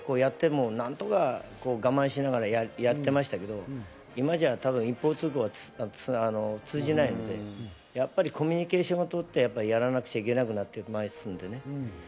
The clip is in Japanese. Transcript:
昔はただ一方通行でやっても、何とか我慢しながらやっていましたけど、今じゃ一方通行は通じないので、やっぱりコミュニケーションを取ってやらなくちゃいけなくなっていますのでね。